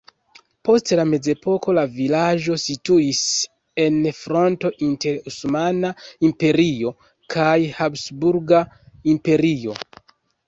Post la mezepoko la vilaĝo situis en fronto inter Osmana Imperio kaj Habsburga Imperio.